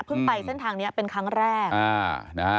ไปเส้นทางนี้เป็นครั้งแรก